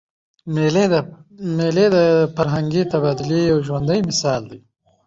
مېلې د فرهنګي تبادلې یو ژوندى مثال دئ.